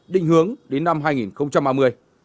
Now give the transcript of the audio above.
định hướng đến năm hai nghìn ba mươi